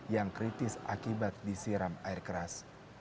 yang kritis akibat disiram air keras